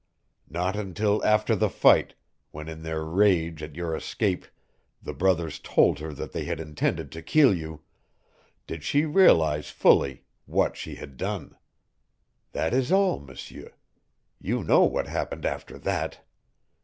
Not until after the fight, when in their rage at your escape the brothers told her that they had intended to kill you, did she realize fully what she had done. That is all, M'seur. You know what happened after that.